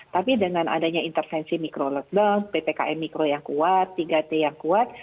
tapi dengan adanya intervensi mikro lockdown ppkm mikro yang kuat tiga t yang kuat